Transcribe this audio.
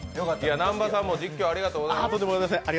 南波さんも実況ありがとうございました。